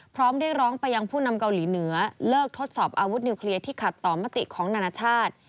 พร้อมได้ร้องไปยังผู้นำเกาหลีเหนือเลิกทดสอบอาวุธนิวเคลียร์ที่ขัดต่อมติของนานาชาติ